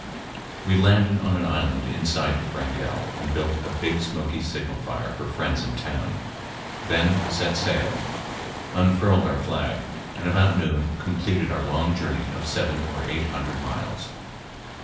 We landed on an island in sight of Wrangell and built a big smoky signal fire for friends in town, then set sail, unfurled our flag, and about noon completed our long journey of seven or eight hundred miles.